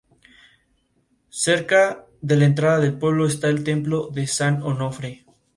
Cerca de la entrada al pueblo está el templo de San Onofre.